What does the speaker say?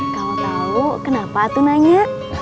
kalau tau kenapa tuh nanya